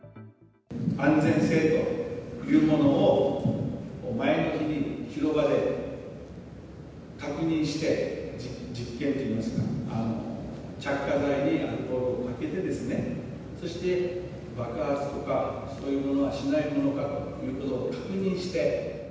安全性というものを前の日に広場で確認して、実験といいますか、着火剤にアルコールをかけてですね、そして爆発とか、そういうことはしないものかと確認して。